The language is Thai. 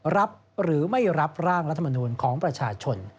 รับหรือไม่รับร่างรัฐมนูลของประชาชน